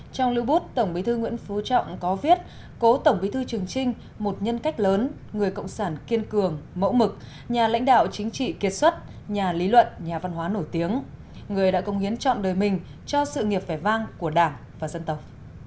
trong lưu bút tổng bí thư nguyễn phú trọng có viết cố tổng bí thư trường trinh một nhân cách lớn người cộng sản kiên cường mẫu mực nhà lãnh đạo chính trị kiệt xuất nhà lý luận nhà văn hóa nổi tiếng người đã công hiến chọn đời mình cho sự nghiệp vẻ vang của đảng và dân tộc